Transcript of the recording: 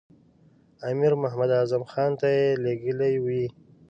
امیر محمد اعظم خان ته یې لېږلی وي.